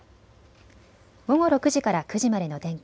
午後６時から９時までの天気。